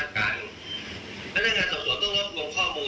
ด้านอื่นถึงถามตัวต้องรบรวมข้อมูล